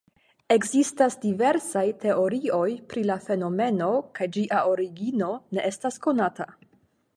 Ekzistas diversaj teorioj pri la fenomeno kaj ĝia origino ne estas konata.